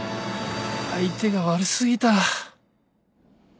「相手が悪すぎた」